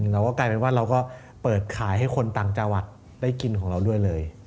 เราก็กลายเป็นว่าเราก็เปิดขายให้คนต่างจังหวัดได้กินของเราด้วยเลย